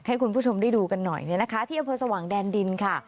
ให้คุณผู้ชมได้ดูกันหน่อยเนี่ยนะคะที่อำเภอสว่างแดนดินค่ะ